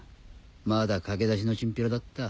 まだ駆け出しのチンピラだった。